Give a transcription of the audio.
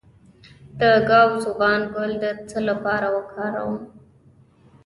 د ګاو زبان ګل د څه لپاره وکاروم؟